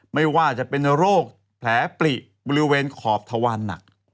ไม่ว่าจะเป็นโรคแผลปลิบริเวณขอบทหนัก